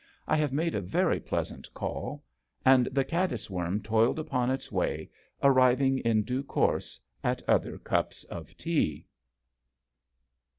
" I have made a very pleasant call," and the caddis worm toiled upon its way, arriving in due course at other cups of tea.